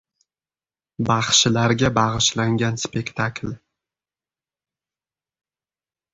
Baxshilarga bag‘ishlangan spektakl